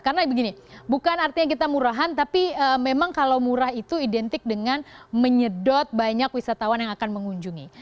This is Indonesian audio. karena begini bukan artinya kita murahan tapi memang kalau murah itu identik dengan menyedot banyak wisatawan yang akan mengunjungi